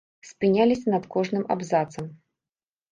Спыняліся над кожным абзацам.